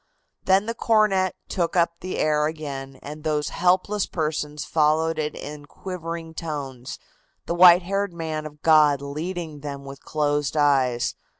Then the cornet took up the air again and those helpless persons followed it in quivering tones, the white haired man of God leading them with closed eyes.